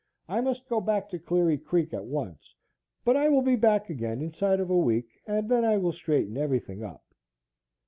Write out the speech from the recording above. I must go back to Cleary Creek at once, but I will be back again inside of a week, and then I will straighten everything up."